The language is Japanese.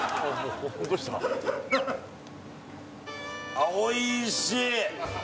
あっおいしい！